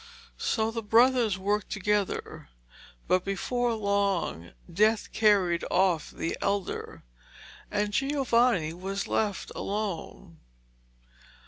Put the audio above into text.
So the brothers worked together, but before long death carried off the elder, and Giovanni was left alone.